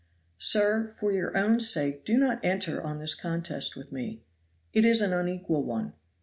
Sir, for your own sake do not enter on this contest with me; it is an unequal one.